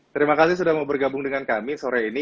terima kasih sudah mau bergabung dengan kami sore ini